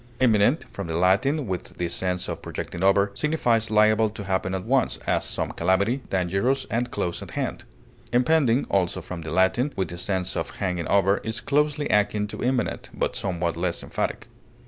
Imminent, from the Latin, with the sense of projecting over, signifies liable to happen at once, as some calamity, dangerous and close at hand. Impending, also from the Latin, with the sense of hanging over, is closely akin to imminent, but somewhat less emphatic.